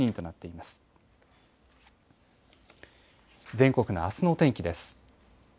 全国のあすの天気です。